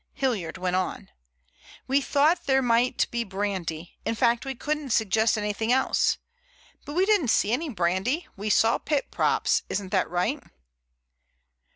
Hilliard went on: "We thought there might be brandy, in fact we couldn't suggest anything else. But we didn't see any brandy; we saw pit props. Isn't that right?"